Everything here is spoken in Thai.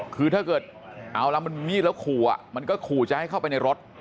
คือถ้าเกิดเอาละมันมีดแล้วขู่มันก็ขู่จะให้เข้าไปในรถ